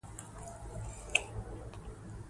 ځینې خواړه د بدن بوی بدلوي.